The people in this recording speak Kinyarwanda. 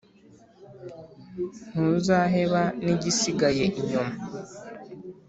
ntuzaheba n'igisigaye inyuma!"